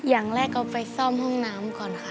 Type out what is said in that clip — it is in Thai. อย่างแรกเอาไปซ่อมห้องน้ำก่อนค่ะ